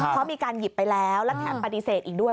เพราะมีการหยิบไปแล้วและแถมปฏิเสธอีกด้วย